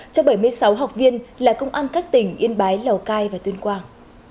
cho bảy mươi sáu học viên là công an các tỉnh yên bái lào cai và tuyên quang